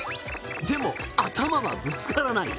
でも、頭はぶつからない。